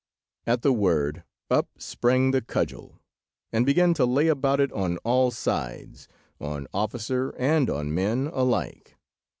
At the word, up sprang the cudgel, and began to lay about it on all sides, on officer and on men alike.